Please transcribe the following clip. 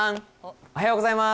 おはようございます。